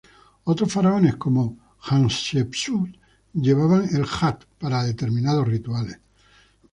Otros faraones, como Hatshepsut llevaban el jat, para determinados rituales.